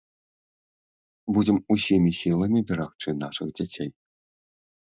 Будзем усімі сіламі берагчы нашых дзяцей!